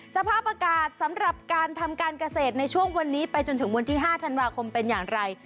สภาพอากาศสำหรับการทำการเกษตรในช่วงวันนี้ไปจนถึงวันที่๕ธันวาคมเป็นอย่างไร